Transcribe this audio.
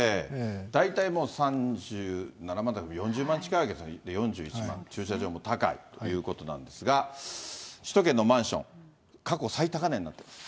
大体もう、３７万、４０万近いわけですね、４１万、駐車場もただということなんですが、首都圏のマンション、過去最高値になってます。